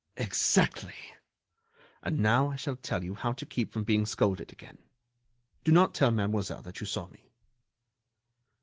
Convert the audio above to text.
"Exactly! And now I shall tell you how to keep from being scolded again. Do not tell Mademoiselle that you saw me."